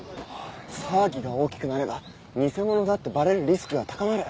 騒ぎが大きくなれば偽物だってバレるリスクが高まる。